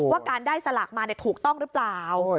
ว่าการได้สลากมาถูกต้องหรือเปล่า